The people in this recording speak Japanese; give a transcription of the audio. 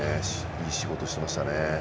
いい仕事しましたね。